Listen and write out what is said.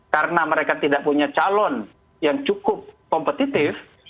karena mereka tidak punya calon yang cukup kompetitif